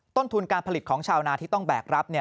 ต้นทุนการผลิตของชาวนาที่ต้องแบกรับ